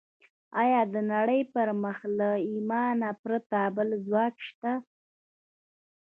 ايا د نړۍ پر مخ له ايمانه پرته بل ځواک شته؟